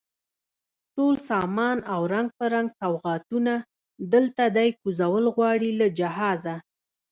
ټول سامان او رنګ په رنګ سوغاتونه، دلته دی کوزول غواړي له جهازه